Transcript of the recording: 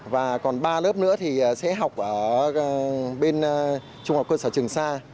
và còn ba lớp nữa thì sẽ học ở bên trung học cơ sở trường sa